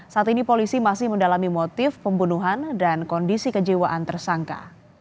saat ini polisi masih mendalami motif pembunuhan dan kondisi kejiwaan tersangka